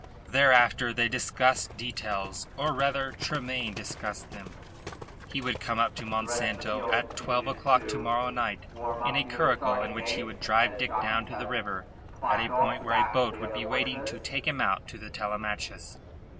Thereafter they discussed details; or, rather, Tremayne discussed them. He would come up to Monsanto at twelve o'clock to morrow night in a curricle in which he would drive Dick down to the river at a point where a boat would be waiting to take him out to the Telemachus.